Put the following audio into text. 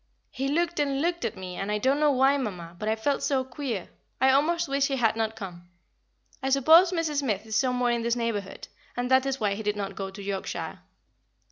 He looked and looked at me, and I don't know why, Mamma, but I felt so queer I almost wish he had not come. I suppose Mrs. Smith is somewhere in this neighbourhood, and that is why he did not go to Yorkshire.